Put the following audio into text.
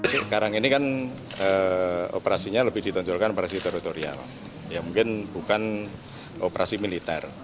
sekarang ini kan operasinya lebih ditonjolkan operasi teritorial ya mungkin bukan operasi militer